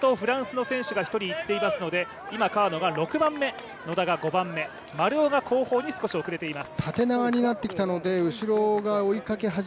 先頭、フランスの選手が１人いっていますので今、川野が６番目、野田が５番目丸尾が後方に少し遅れています。